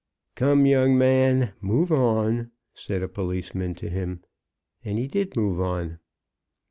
'" "Come, young man, move on," said a policeman to him. And he did move on.